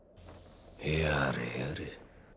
やれやれ。